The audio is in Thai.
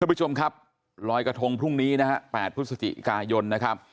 ผู้ชมครับลอยกระทงพรุ่งนี้นะฮะ๘พฤศจิกายนนะครับ